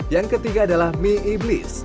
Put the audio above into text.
yang ketiga adalah mie iblis